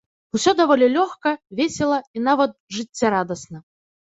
Усё даволі лёгка, весела і нават жыццярадасна.